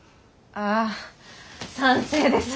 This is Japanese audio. ああ賛成です。